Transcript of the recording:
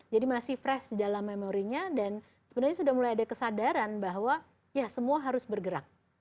jadi masih fresh dalam memorynya dan sebenarnya sudah mulai ada kesadaran bahwa ya semua harus bergerak termasuk perempuan